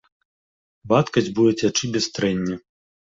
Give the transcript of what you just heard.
Вадкасць будзе цячы без трэння.